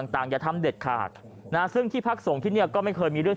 อย่าทำเด็ดขาดนะซึ่งที่พักส่งที่นี่ก็ไม่เคยมีเรื่อง